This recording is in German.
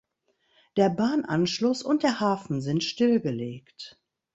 Der Bahnanschluss und der Hafen sind stillgelegt.